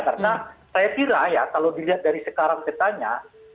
karena saya kira ya kalau dilihat dari sekarang kitanya